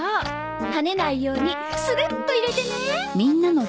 はねないようにスルッと入れてね。